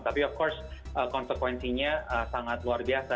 tapi ya course konsekuensinya sangat luar biasa